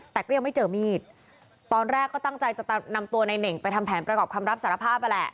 แต่ก็ยังไม่เจอมีดตอนแรกก็ตั้งใจจะนำตัวในเน่งไปทำแผนประกอบคำรับสารภาพนั่นแหละ